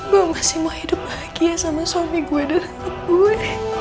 gue masih mau hidup bahagia sama suami gue dan anak gue